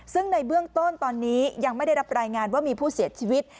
ซึ่งในเบื้องต้นตอนนี้ยังไม่ได้รับรายงานว่ามีผู้เสียชีวิต